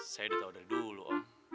saya udah tau dari dulu om